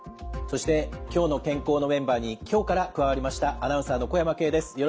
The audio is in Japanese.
そして「きょうの健康」のメンバーに今日から加わりましたアナウンサーの小山径です。